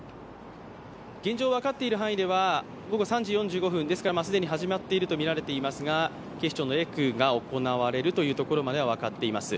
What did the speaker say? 現状分かっている範囲では午後３時４５分既に始まっているとみられていますが、警視庁のレクが行われているということは分かっています。